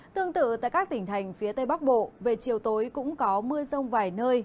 tương tự tại các tỉnh thành phía tây bắc bộ về chiều tối cũng có mưa rông vài nơi